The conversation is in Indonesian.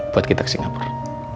buat kita ke singapura